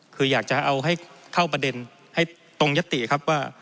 คืออยากจะเอาให้เข้าประเด็นให้ตรงยัตติครับว่า